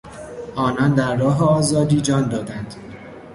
آنان در راه آزادی جان دادند.